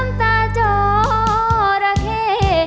น้ำตาจอรักให้